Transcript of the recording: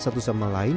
satu sama lain